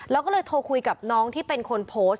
แล้วก็เลยโทรคุยกับน้องที่เป็นคนโพสต์